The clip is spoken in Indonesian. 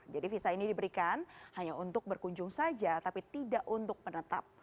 jadi visa ini diberikan hanya untuk berkunjung saja tapi tidak untuk menetap